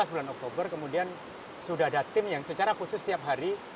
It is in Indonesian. sebelas bulan oktober kemudian sudah ada tim yang secara khusus setiap hari